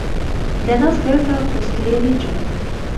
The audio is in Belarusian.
Для нас гэта пустыя лічбы.